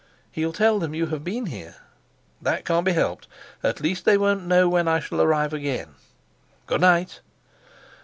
"He'll tell them you have been here." "That can't be helped; at least they won't know when I shall arrive again. Good night."